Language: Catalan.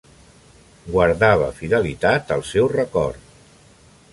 Guardava fidelitat al seu record.